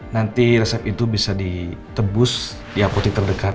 nanti resep itu bisa ditebus di apotek terdekat